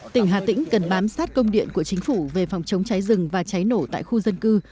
tỉnh hà tĩnh cần bám sát công điện của chính phủ về phòng chống cháy rừng và cháy nổ tại khu dân cư